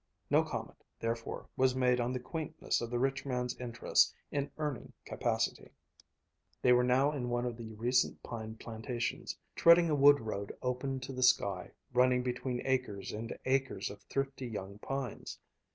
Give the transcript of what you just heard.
No comment, therefore, was made on the quaintness of the rich man's interest in earning capacity. They were now in one of the recent pine plantations, treading a wood road open to the sky, running between acres and acres of thrifty young pines.